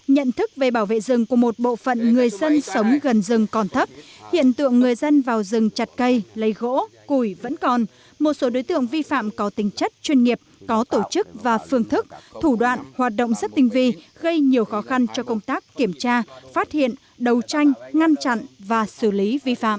nhận thức về bảo vệ rừng của một bộ phận người dân sống gần rừng còn thấp hiện tượng người dân vào rừng chặt cây lấy gỗ củi vẫn còn một số đối tượng vi phạm có tính chất chuyên nghiệp có tổ chức và phương thức thủ đoạn hoạt động rất tinh vi gây nhiều khó khăn cho công tác kiểm tra phát hiện đấu tranh ngăn chặn và xử lý vi phạm